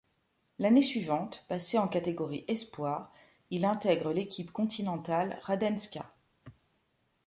L'année suivante, passé en catégorie espoir, il intègre l'équipe continentale Radenska.